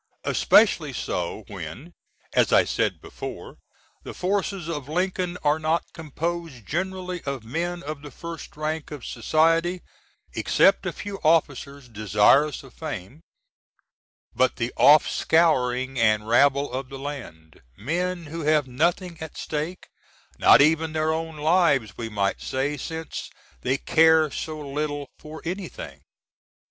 Especially so when, as I said before, the forces of Lincoln are not composed generally of men of the first rank of Society (except a few Officers desirous of Fame), but the "offscouring" & rabble of the land men who have nothing at stake, not even their own lives we might say, since they care so little for anything.